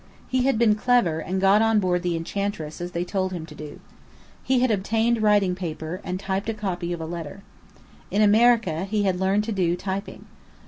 He had been clever, and got on board the Enchantress as they told him to do. He had obtained writing paper, and typed a copy of a letter. In America, he had learned to do typing.